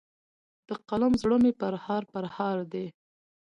د قلم زړه مي پرهار پرهار دی